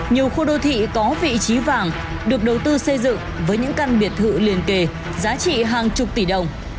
nhiều khu đô thị có vị trí vàng được đầu tư xây dựng với những căn biệt thự liền kề giá trị hàng chục tỷ đồng